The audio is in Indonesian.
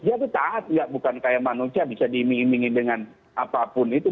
dia itu taat bukan seperti manusia bisa diiming imingi dengan apapun itu